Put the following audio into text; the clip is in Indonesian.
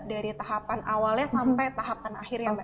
dari tahapan awalnya sampai tahapan akhir ya mbak